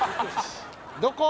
どこ？